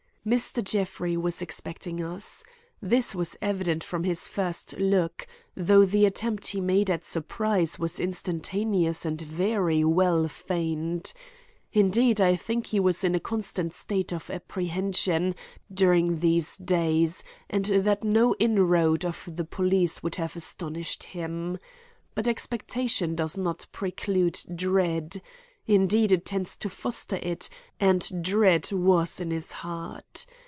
Mr. Jeffrey was expecting us. This was evident from his first look, though the attempt he made at surprise was instantaneous and very well feigned. Indeed, I think he was in a constant state of apprehension during these days and that no inroad of the police would have astonished him. But expectation does not preclude dread; indeed it tends to foster it, and dread was in his heart.